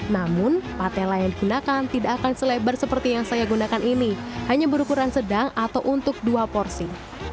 namun patela yang digunakan tidak akan selebar seperti yang saya gunakan ini hanya berukuran sedang atau untuk dua porsi